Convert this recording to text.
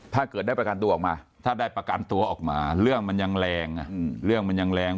ถ้าเกิดได้ประกันตัวออกมาถ้าได้ประกันตัวออกมาเรื่องมันยังแรง